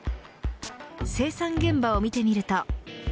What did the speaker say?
生産現場を見てみると。